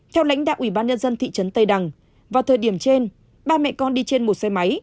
theo lãnh đạo ủy ban nhân dân thị trấn tây đằng vào thời điểm trên ba mẹ con đi trên một xe máy